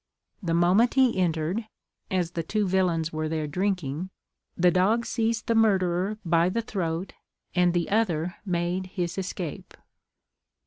The moment he entered, (as the two villains were there drinking,) the dog seized the murderer by the throat, and the other made his escape.